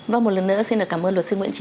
và một lần nữa xin cảm ơn luật sư nguyễn trọng